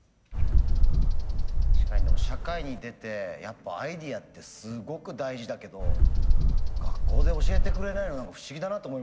確かにでも社会に出てやっぱアイデアってすごく大事だけど学校で教えてくれないの何か不思議だなと思いました。